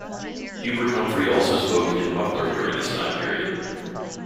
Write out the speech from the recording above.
Hubert Humphrey also spoke in Butler during this time period.